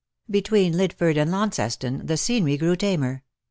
Between Lidford and Launceston the scenery grew tamer.